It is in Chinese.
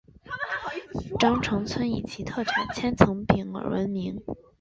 鄣城村以其特产千层饼而闻名。